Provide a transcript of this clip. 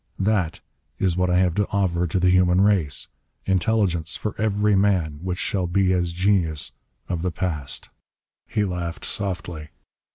That is what I have to offer to the human race! Intelligence for every man, which shall be as the genius of the past!" He laughed softly.